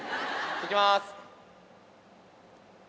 いきます！